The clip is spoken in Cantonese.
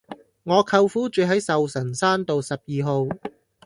我舅父住喺壽臣山道十二號